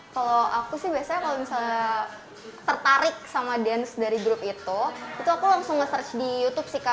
kalau aku sih biasanya kalau misalnya tertarik sama dance dari grup itu itu aku langsung nge search di youtube sih kak